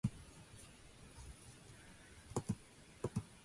The cross was erected by Franciscans.